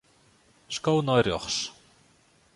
Sko nei rjochts.